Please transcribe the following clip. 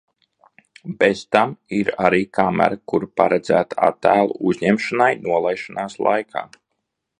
Bez tam ir arī kamera, kura paredzēta attēlu uzņemšanai nolaišanās laikā.